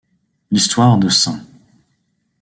L’histoire de St.